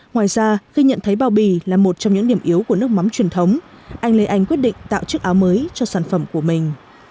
ngoài ra khi nhận thấy bao bì là một trong những điểm yếu của nước mắm truyền thống anh lê anh quyết định tạo chiếc áo mới cho sản phẩm của mình